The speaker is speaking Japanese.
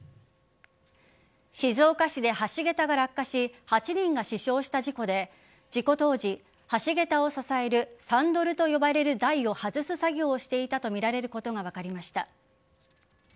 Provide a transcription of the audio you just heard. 静岡市で橋げたが落下し８人が死傷した事故で事故当時橋げたを支えるサンドルと呼ばれる台を外す作業をしていたとみられることが分かりました。